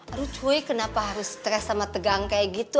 aduh cuy kenapa harus stres sama tegang kayak gitu